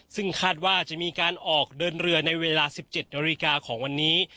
ซึ่งคาดว่าจะมีการออกเดินเรือในเวลา๑๗นาฬิกาของวันนี้